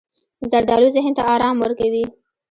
زردالو ذهن ته ارام ورکوي.